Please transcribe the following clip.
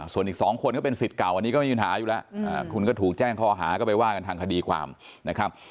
ส่วนอีก๒คนก็เป็นสิทธิ์เก่าอันนี้ก็ไม่มีปัญหาอยู่แล้วคุณก็ถูกแจ้งข้อหาก็ไปว่ากันทางคดีความนะครับ